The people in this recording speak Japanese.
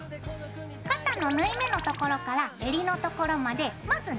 肩の縫い目のところからえりのところまでまずなぞります。